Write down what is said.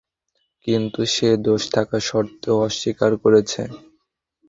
কিন্তু, সে দোষ থাকা সত্ত্বেও অস্বীকার করেছে।